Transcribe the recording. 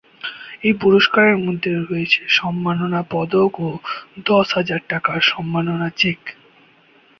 এই পুরস্কারের মধ্যে রয়েছে সম্মাননা পদক ও দশ হাজার টাকার সম্মাননা চেক।